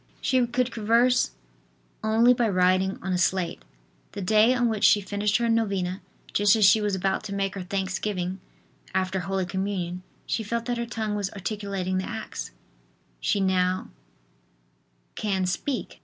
She could converse only by writing on a slate. The day on which she finished her novena, just as she was about to make her thanksgiving after Holy Communion, she felt that her tongue was articulating the acts. She now can speak.